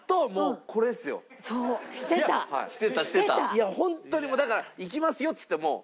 いや本当にもうだからいきますよっつってもう。